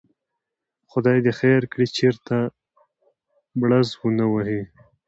خدای دې خیر کړي، چېرته بړز ونه وهي.